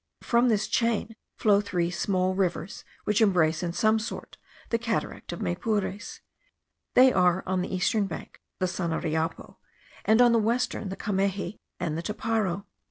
From this chain flow three small rivers, which embrace in some sort the cataract of Maypures. There are, on the eastern bank, the Sanariapo, and on the western, the Cameji and the Toparo.